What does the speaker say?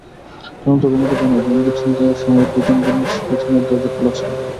তদন্ত কমিটি জানায়, জঙ্গি ছিনতাইয়ের সময় প্রিজন ভ্যানের পেছনের দরজা খোলা ছিল।